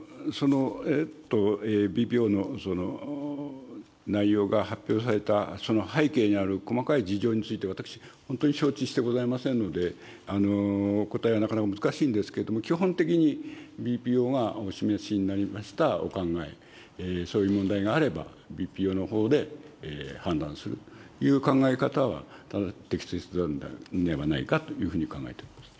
ＢＰＯのその内容が発表された、その背景にある細かい事情について、私、本当に承知してございませんので、お答えはなかなか難しいんですけれども、基本的にＢＰＯがお示しになりましたお考え、そういう問題があれば、ＢＰＯのほうで判断するという考え方は適切なのではないかというふうに考えております。